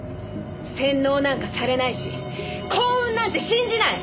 洗脳なんかされないし幸運なんて信じない！